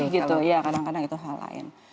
gitu ya kadang kadang itu hal lain